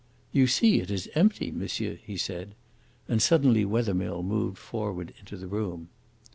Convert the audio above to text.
"You see it is empty, monsieur," he said, and suddenly Wethermill moved forward into the room.